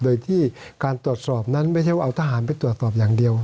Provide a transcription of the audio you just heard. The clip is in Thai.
โดยที่การตรวจสอบนั้นไม่ใช่ว่าเอาทหารไปตรวจสอบอย่างเดียว